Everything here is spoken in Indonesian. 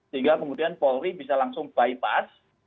sehingga kemudian polri bisa langsung bypass